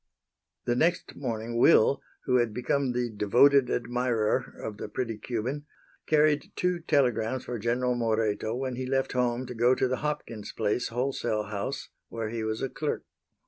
The next morning Will, who had become the devoted admirer of the pretty Cuban, carried two telegrams for General Moreto when he left home to go to the Hopkins place wholesale house where he was a clerk.